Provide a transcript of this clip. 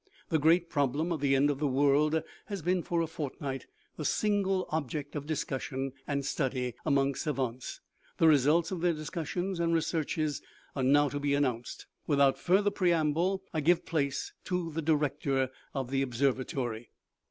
The great problem of the end of the world has been for a fortnight the single object of discussion and study among savants. The results of their discussions and researches are now to be announced. Without further preamble I give place to the director of the observatory."